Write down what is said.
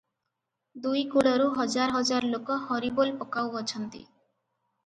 ଦୁଇ କୂଳରୁ ହଜାର ହଜାର ଲୋକ 'ହରିବୋଲ' ପକାଉଅଛନ୍ତି |